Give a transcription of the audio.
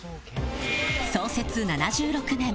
創設７６年。